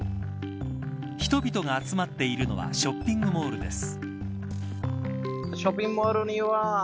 人々が集まっているのはショッピングモールです。